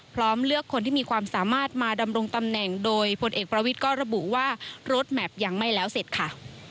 เลือกคนที่มีความสามารถมาดำรงตำแหน่งโดยพลเอกประวิทย์ก็ระบุว่ารถแมพยังไม่แล้วเสร็จค่ะ